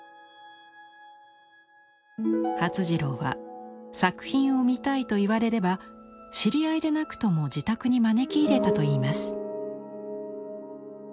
發次郎は「作品を見たい」と言われれば知り合いでなくとも自宅に招き入れたといいます。